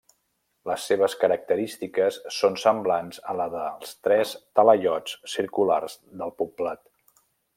Les seves característiques són semblants a la dels tres talaiots circulars del poblat.